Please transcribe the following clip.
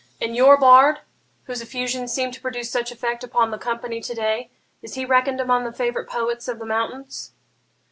'And your bard, whose effusions seemed to produce such effect upon the company to day, is he reckoned among the favourite poets of the mountains?'